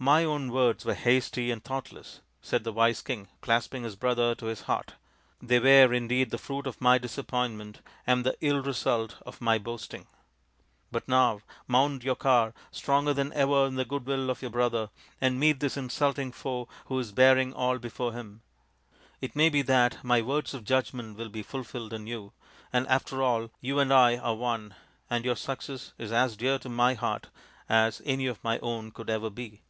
" My own words were hasty and thoughtless," said the wise king, clasping his brother to his heart. " They were indeed the fruit of my disappointment and the ill result of my boasting. But now mount your car, stronger than ever in the goodwill of your brother, and meet this insulting foe who is bearing all before him. It may be that my words of judgment will be fulfilled in you, and after all you and I are one, and your success is as dear to my heart as any of my own could ever be."